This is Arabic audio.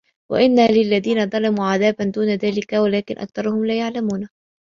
وَإِنَّ لِلَّذينَ ظَلَموا عَذابًا دونَ ذلِكَ وَلكِنَّ أَكثَرَهُم لا يَعلَمونَ